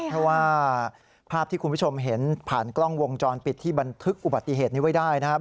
เพราะว่าภาพที่คุณผู้ชมเห็นผ่านกล้องวงจรปิดที่บันทึกอุบัติเหตุนี้ไว้ได้นะครับ